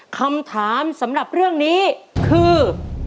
คำถามสำหรับเรื่องนี้คือ